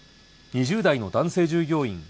２０代の男性従業員